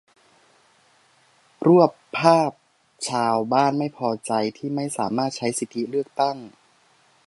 รวบภาพชาวบ้านไม่พอใจที่ไม่สามารถใช้สิทธิเลือกตั้ง